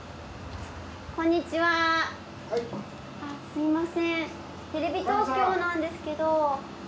すみませんテレビ東京なんですけど。